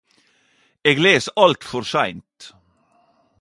Eg les alt for seint.